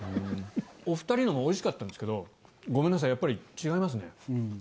お二人のもおいしかったんですけどごめんなさいやっぱり違いますね。